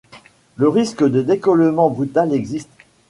Le risque de décollement brutal existe.